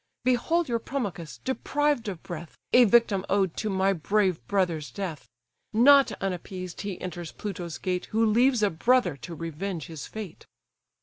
Behold your Promachus deprived of breath, A victim owed to my brave brother's death. Not unappeased he enters Pluto's gate, Who leaves a brother to revenge his fate."